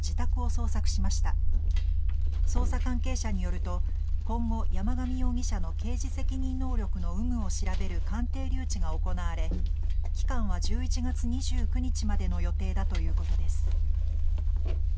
捜査関係者によると今後、山上容疑者の刑事責任能力の有無を調べる鑑定留置が行われ期間は１１月２９日までの予定だということです。